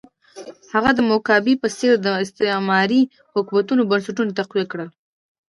هغه د موګابي په څېر د استعماري حکومت بنسټونه تقویه کړل.